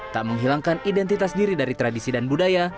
tak menghilangkan identitas diri dari tradisi dan budaya